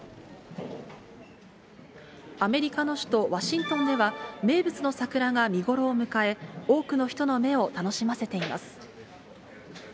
アメリカの首都ワシントンでは、名物の桜が見頃を迎え、多くの人の目を楽しませています。